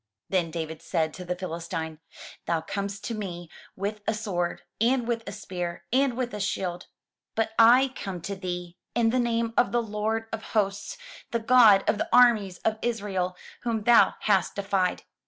Then said David to the Philistine, "Thou comest to me with a sword, and with a spear, and with a shield; but I come to thee in 260 THROUGH FAIRY HALLS the name of the Lord of hosts, the God of the armies of Israel, whom thou hast defied.